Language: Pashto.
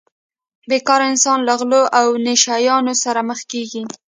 بې کاره انسان له غلو او نشه یانو سره مخ کیږي